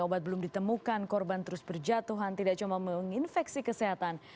obat belum ditemukan korban terus berjatuhan tidak cuma menginfeksi kesehatan